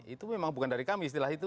itu memang bukan dari kami istilah itu